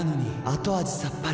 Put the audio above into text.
後味さっぱり．．．